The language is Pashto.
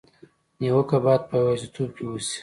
نیوکه باید په یوازېتوب کې وشي.